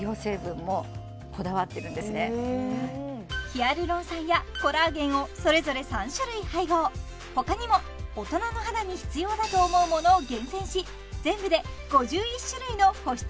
ヒアルロン酸やコラーゲンをそれぞれ３種類配合他にも大人の肌に必要だと思うものを厳選し全部で５１種類の保湿